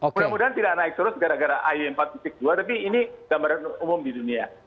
mudah mudahan tidak naik terus gara gara ay empat dua tapi ini gambaran umum di dunia